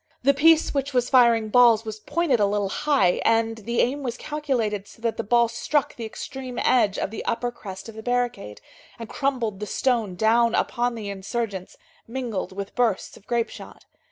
The piece which was firing balls was pointed a little high, and the aim was calculated so that the ball struck the extreme edge of the upper crest of the barricade, and crumbled the stone down upon the insurgents, mingled with bursts of grape shot.